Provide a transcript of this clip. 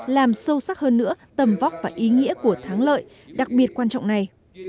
làm sâu sắc hơn nữa tầm vóc và ý nghĩa của thắng lợi đặc biệt quan trọng này